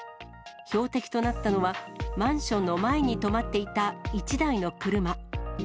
標的となったのは、マンションの前に止まっていた一台の車。